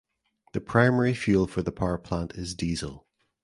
The primary fuel for the power plant is diesel.